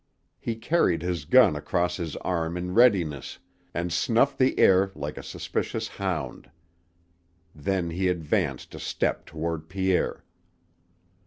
He carried his gun across his arm in readiness, and snuffed the air like a suspicious hound. Then he advanced a step toward Pierre.